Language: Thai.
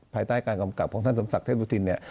ภายใต้การกำกับของท่านสมศักดิ์เทพสุธินเนี่ย